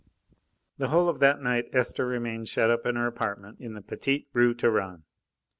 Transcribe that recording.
V The whole of that night Esther remained shut up in her apartment in the Petite Rue Taranne.